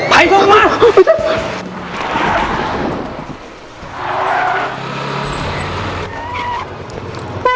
ไพลด้วยมา